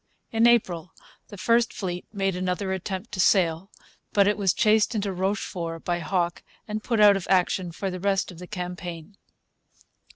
In April the first fleet made another attempt to sail; but it was chased into Rochefort by Hawke and put out of action for the rest of the campaign.